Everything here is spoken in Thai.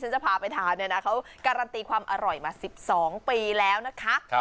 จะพาไปทานเนี่ยนะเขาการันตีความอร่อยมา๑๒ปีแล้วนะคะ